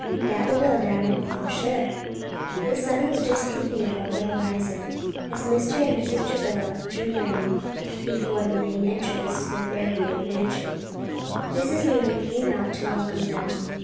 "Dat we will, darlin', for shuah." The sun was just peeping above the horizon, as Mr. and Mrs. Travilla drew rein before the main entrance to the Fairview mansion. Mrs. Leland came out to welcome them.